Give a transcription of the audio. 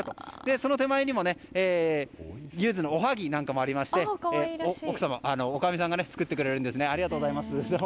その手前にもユズのおはぎなんかもありましておかみさんが作ってくれるんですありがとうございます。